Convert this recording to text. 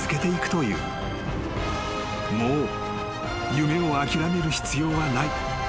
［もう夢を諦める必要はない］